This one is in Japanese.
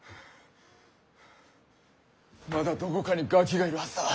まだどこかにガキがいるはずだ。